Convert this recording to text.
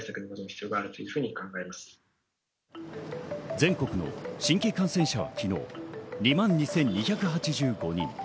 全国の新規感染者は昨日、２万２２８５人。